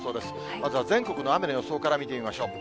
まずは全国の雨の予想から見てみましょう。